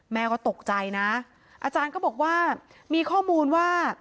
แม่ก็ตกใจนะอาจารย์ก็บอกว่ามีข้อมูลว่า